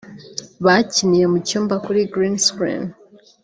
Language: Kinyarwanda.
Bakiniye mu cyumba kuri Green Screen